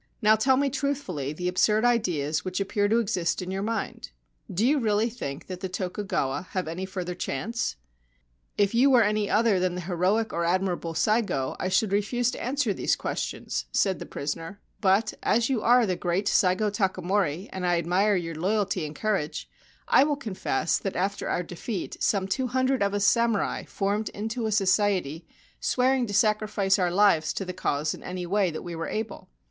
Now tell me truthfully the absurd ideas which appear to exist in your mind. Do you really think that the Tokugawa have any further chance ?'* If you were any other than the heroic or admirable Saigo I should refuse to answer these questions/ said the prisoner ; c but, as you are the great Saigo Takamori and I admire your loyalty and courage, I will confess that after our defeat some two hundred of us samurai formed into a society swearing to sacrifice our lives to the cause in any way that we were able.